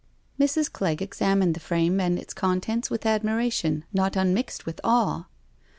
Mrs. Clegg examined the frame and its contents with admiration, not unmixed with awe.